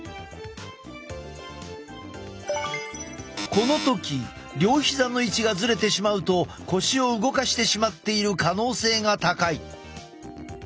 この時両膝の位置がずれてしまうと腰を動かしてしまっている可能性が高い。